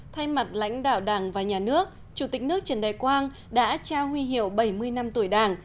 thay mặt lãnh đạo đảng và nhà nước chủ tịch nước trần đại quang đã trao huy hiệu bảy mươi năm tuổi đảng